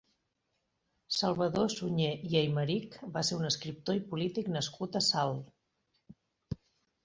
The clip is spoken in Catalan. Salvador Sunyer i Aimeric va ser un escriptor i polític nascut a Salt.